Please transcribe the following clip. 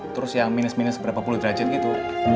terus yang minus minus berapa puluh derajat gitu